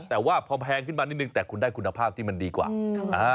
แต่ว่าพอแพงขึ้นมานิดนึงแต่คุณได้คุณภาพที่มันดีกว่า